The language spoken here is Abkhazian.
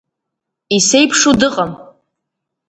Исеиԥшу дыҟам!